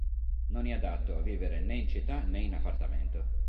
Non è adatto a vivere né in città né in appartamento.